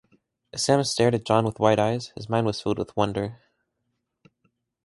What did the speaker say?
As Sam stared at John with wide eyes, his mind was filled with wonder.